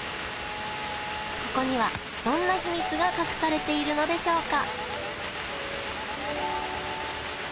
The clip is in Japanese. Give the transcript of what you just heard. ここにはどんな秘密が隠されているのでしょうか？